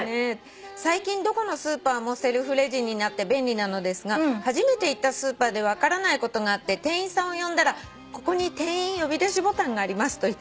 「最近どこのスーパーもセルフレジになって便利なのですが初めて行ったスーパーで分からないことがあって店員さんを呼んだら『ここに店員呼び出しボタンがあります』と言って去っていき」